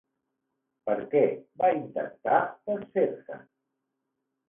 Per què va intentar desfer-se'n?